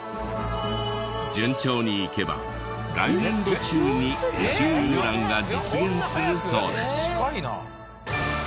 順調にいけば来年度中に宇宙遊覧が実現するそうです。